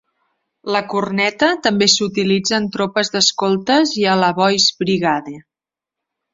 La corneta també s'utilitza en tropes d'escoltes i a la Boy's Brigade.